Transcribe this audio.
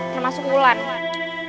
termasuk bulan man